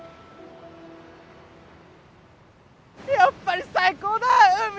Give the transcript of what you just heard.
やっぱり最高だ海！